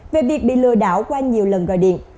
về việc bị lừa đảo qua nhiều lần gọi điện